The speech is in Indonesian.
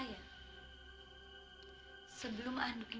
iya enggak ada lagi yang kamu dp kan